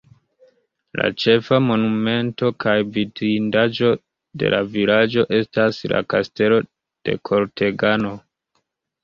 La ĉefa monumento kaj vidindaĵo de la vilaĝo estas la Kastelo de Kortegano.